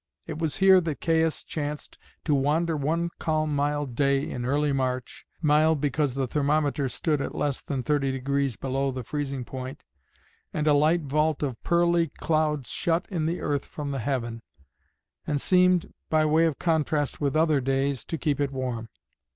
It was here that Caius chanced to wander one calm mild day in early March, mild because the thermometer stood at less than 30° below the freezing point, and a light vault of pearly cloud shut in the earth from the heaven, and seemed, by way of contrast with other days, to keep it warm.